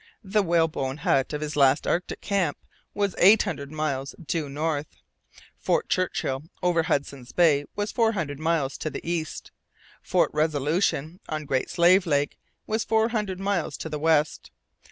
The whalebone hut of his last Arctic camp was eight hundred miles due north. Fort Churchill, over on Hudson's Bay, was four hundred miles to the east, and Fort Resolution, on the Great Slave, was four hundred miles to the west.